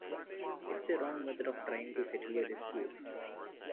It's a wrong method of trying to settle a dispute.